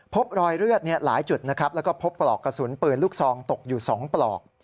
พบรอยเลือดหลายจุดนะครับแล้วก็พบปลอกกระสุนปืนลูกซองตกอยู่๒ปลอก